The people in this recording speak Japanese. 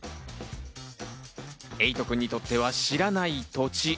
エイトくんにとっては知らない土地。